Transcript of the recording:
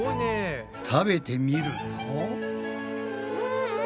食べてみると。